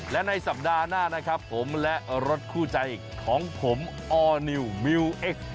และในสัปดาห์หน้านะครับผมและรถคู่ใจของผมออร์นิวมิวเอ็กซ์